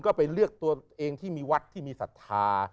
ก็ไปเลือกตัวเองที่มีวัดที่มีศรัทธา